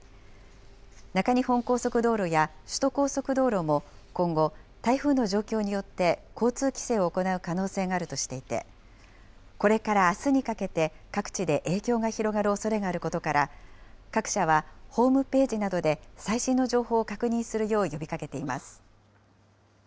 中日本高速道路や首都高速道路も今後、台風の状況によって交通規制を行う可能性があるとしていて、これからあすにかけて各地で影響が広がるおそれがあることから、各社はホームページなどで最新の情報を確認するよう呼びかけています。